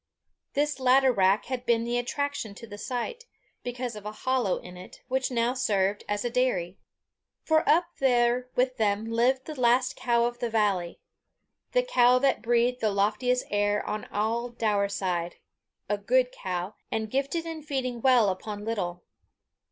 This latter rock had been the attraction to the site, because of a hollow in it, which now served as a dairy. For up there with them lived the last cow of the valley the cow that breathed the loftiest air on all Daurside a good cow, and gifted in feeding well upon little.